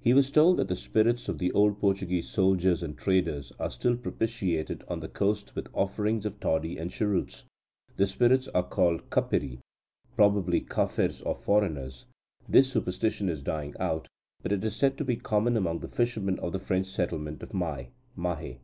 He was told that "the spirits of the old Portuguese soldiers and traders are still propitiated on the coast with offerings of toddy and cheroots. The spirits are called Kappiri (probably Kaffirs or foreigners). This superstition is dying out, but is said to be common among the fishermen of the French settlement of Mai (Mahé)."